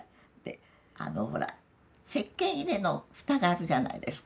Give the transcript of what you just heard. ほらせっけん入れの蓋があるじゃないですか。